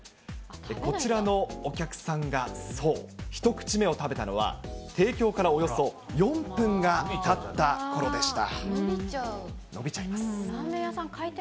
こちらのお客さんがそう、一口目を食べたのは、提供からおよそ４分がたったころでした。